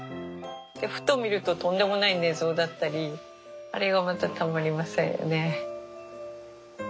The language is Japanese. でふと見るととんでもない寝相だったりあれがまたたまりませんよね。